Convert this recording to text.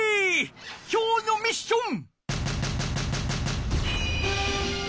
今日のミッション！